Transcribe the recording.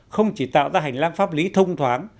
không chỉ tạo ra hành lang pháp lý thông thoáng